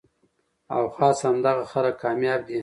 او خاص همدغه خلک کامياب دي